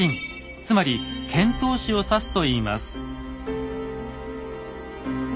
つまり遣唐使を指すといいます。